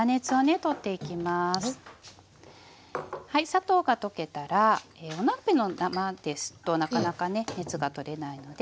砂糖が溶けたらお鍋のままですとなかなかね熱が取れないのでボウルに移して。